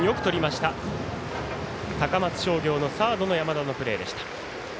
高松商業のサードの山田のプレーでした。